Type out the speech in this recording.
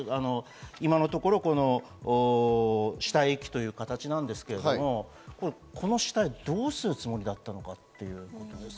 今のところ死体遺棄という形なんですけれども、この死体をどうするつもりだったのかという。